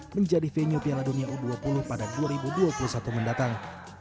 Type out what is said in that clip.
menjadi venue piala dunia u dua puluh pada dua ribu dua puluh satu mendatang